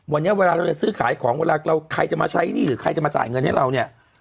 วันนี้เวลาเราจะซื้อขายของใครจะมาใช้นี่ใครจะมาจ่ายเงินให้เราเนี่ย